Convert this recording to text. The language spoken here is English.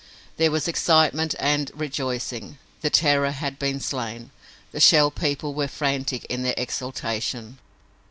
There was excitement and rejoicing. The terror had been slain! The Shell People were frantic in their exultation.